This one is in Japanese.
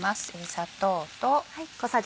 砂糖と。